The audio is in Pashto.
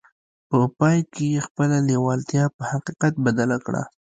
په پای کې يې خپله لېوالتیا په حقيقت بدله کړه.